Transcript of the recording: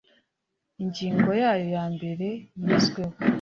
ingingo yayo ya mbere yizweho